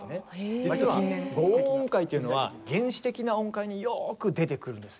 実は五音音階っていうのは原始的な音階によく出てくるんです。